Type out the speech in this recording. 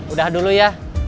udah dulu ya